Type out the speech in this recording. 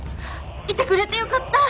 居てくれてよかった！